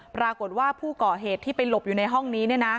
ปรากฏว่าผู้ก่อเหตุที่ไปหลบอยู่ในห้องนี้